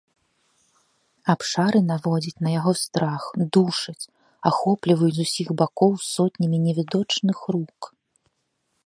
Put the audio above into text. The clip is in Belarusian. Абшары наводзяць на яго страх, душаць, ахопліваюць з усіх бакоў сотнямі невідочных рук.